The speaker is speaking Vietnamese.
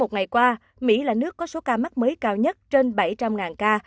nhiều nước có số ca mắc mới cao nhất trên bảy trăm linh ca